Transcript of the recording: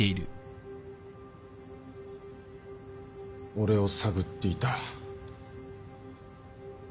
俺を探っていた。